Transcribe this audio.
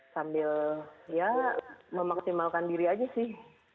sambil ya memaksimalkan diri aja sih